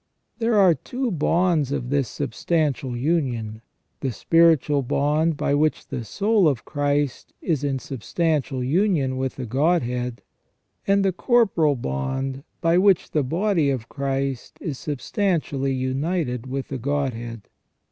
There are two bonds of this substantial union : the spiritual bond by which the soul of Christ is in substantial union with the Godhead, and the corporal bond by which the body of Christ is substantially united with the Godhead.